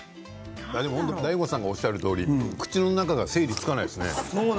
ＤＡＩＧＯさんがおっしゃるとおり口の中が整理がつかないですね。